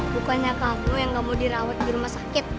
bukannya kamu yang nggak mau dirawat di rumah sakit